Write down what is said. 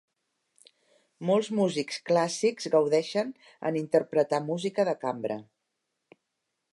Molts músics clàssics gaudeixen en interpretar música de cambra.